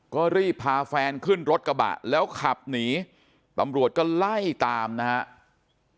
ก็รีบพาแฟนขึ้นรถกระบะแล้วขับหนีตำรวจก็ไล่ตามนะครับ